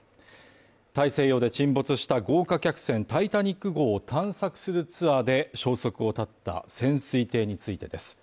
大西洋で沈没した豪華客船「タイタニック号」を探索するツアーで消息を絶った潜水艇についてです。